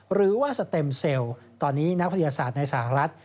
หรือว่าสเต็มเซลล์ตอนนี้นักวิทยาศาสตร์ในสหรัฐ